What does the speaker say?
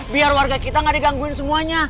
biar warga kita gak digangguin semuanya